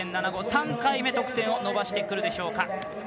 ３回目得点を伸ばしてくるでしょうか。